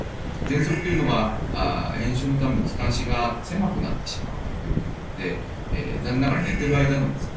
喘息というのは炎症のために気管支が狭くなってしまう病気なので残念ながら寝てる間のですね